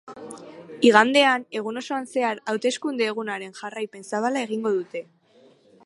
Igandean, egun osoan zehar hauteskunde egunaren jarraipen zabala egingo dute.